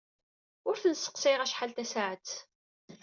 Ur ten-sseqsayeɣ acḥal tasaɛet.